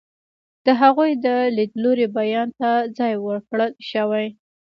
د هغوی د لیدلوري بیان ته ځای ورکړل شوی.